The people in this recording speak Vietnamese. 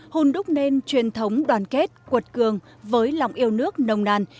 hôn đúc nên truyền thống đoàn kết quật cường với lòng yêu nước nồng nàn